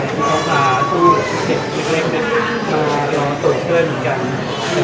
ที่พาผู้เห็คมาตกเคลื่อน